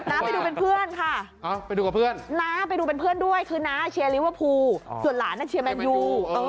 ไปดูเป็นเพื่อนค่ะไปดูกับเพื่อนน้าไปดูเป็นเพื่อนด้วยคือน้าเชียร์ลิเวอร์พูลส่วนหลานเชียร์แมนยู